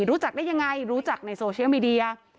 รู้จักได้ยังไงรู้จักในโซเชียลมีเดีย